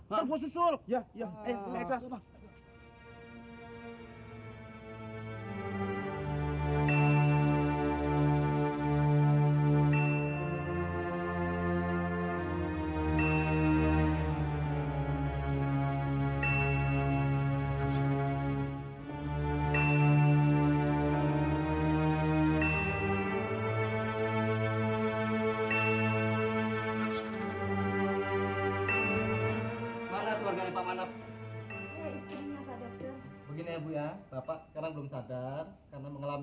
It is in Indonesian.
mana keluarga pak manap begini ya bapak sekarang belum sadar karena mengalami